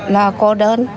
là cô đơn